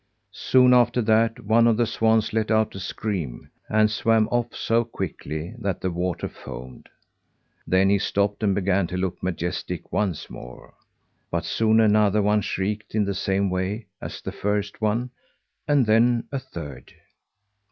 Soon after that, one of the swans let out a scream, and swam off so quickly that the water foamed. Then he stopped and began to look majestic once more. But soon, another one shrieked in the same way as the first one, and then a third.